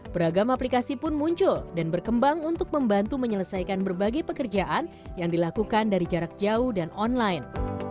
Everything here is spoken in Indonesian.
beragam aplikasi pun muncul dan berkembang untuk membantu menyelesaikan berbagai pekerjaan yang dilakukan dari jarak jauh dan online